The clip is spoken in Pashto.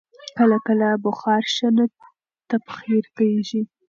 کله کله بخار ښه نه تبخیر کېږي.